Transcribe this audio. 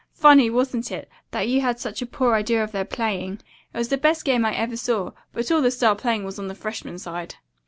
Funny, wasn't it, that you had such a poor idea of their playing? It was the best game I ever saw, but all the star playing was on the freshman side."